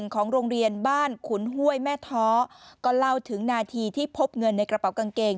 ของโรงเรียนบ้านขุนห้วยแม่ท้อก็เล่าถึงนาทีที่พบเงินในกระเป๋ากางเกง